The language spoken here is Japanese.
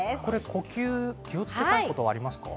呼吸、気をつけたいことはありますか？